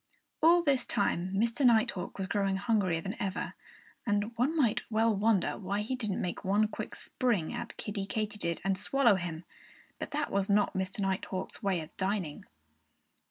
All this time Mr. Nighthawk was growing hungrier than ever. And one might well wonder why he didn't make one quick spring at Kiddie Katydid and swallow him. But that was not Mr. Nighthawk's way of dining.